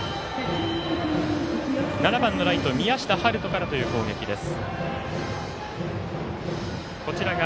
７番のライト、宮下温人からという攻撃です。